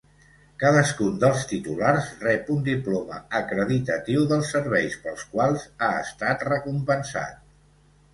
Cadascun dels titulars rep un diploma acreditatiu dels serveis pels quals ha estat recompensat.